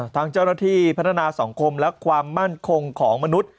ทางเจ้าหน้าที่พัฒนาสังคมและความมั่นคงของมนุษย์